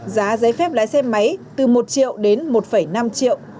giá giấy phép lái xe máy từ một triệu đến một năm triệu